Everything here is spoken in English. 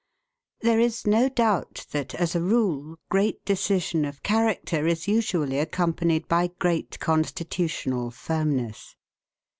There is no doubt that, as a rule, great decision of character is usually accompanied by great constitutional firmness.